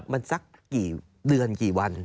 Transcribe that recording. มันสักกี่เดือนกี่วัน